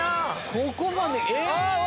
ここまでえ！